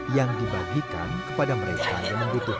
yang dibagikan kepada mereka yang membutuhkan